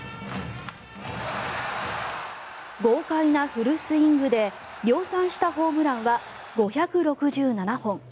豪快なフルスイングで量産したホームランは５６７本。